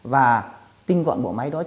và tinh gọn bộ máy đó